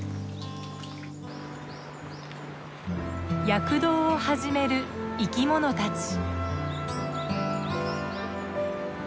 躍動を始める生き物たち。